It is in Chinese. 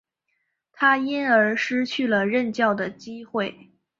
他因而失去了任教的机会。